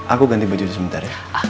aku ganti baju sebentar ya